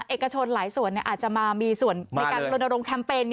เอกชนหลายส่วนเนี่ยอาจจะมามีส่วนในการรนดรมแคมเปญเนี่ย